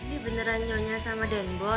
ini beneran nyonya sama den boy